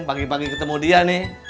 pagi pagi ketemu dia nih